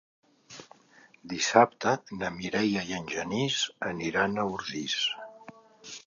Dissabte na Mireia i en Genís aniran a Ordis.